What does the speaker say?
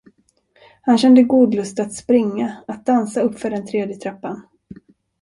Han kände god lust att springa, att dansa uppför den tredje trappan.